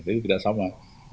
tapi tidak sama